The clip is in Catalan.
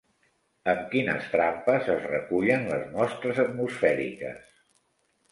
Amb quines trampes es recullen les mostres atmosfèriques?